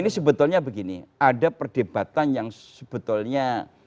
ini sebetulnya begini ada perdebatan yang sebetulnya